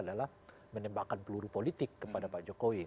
adalah menembakkan peluru politik kepada pak jokowi